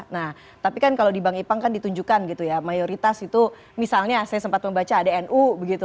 nah tapi kan kalau di bang ipang kan ditunjukkan gitu ya mayoritas itu misalnya saya sempat membaca ada nu begitu